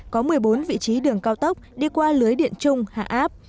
có một mươi bốn vị trí đường cao tốc đi qua lưới điện chung hạ áp